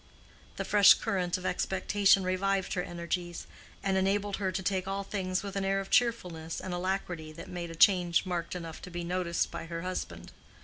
The fresh current of expectation revived her energies, and enabled her to take all things with an air of cheerfulness and alacrity that made a change marked enough to be noticed by her husband.